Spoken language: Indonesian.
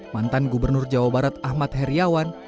mantan gubernur jawa barat ahmad heriawan